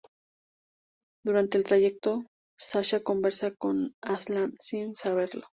Durante el trayecto, Shasta conversa con Aslan sin saberlo.